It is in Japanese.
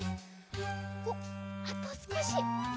おっあとすこし！